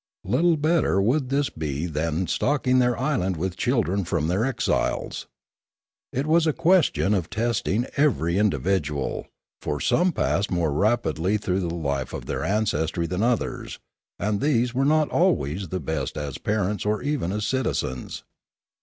Little better would this be than stocking their island with children from their exiles. It was a question of testing every individual; for some passed more rapidly through the life of their ancestry than others; and these were not always the best as parents or even as citizens.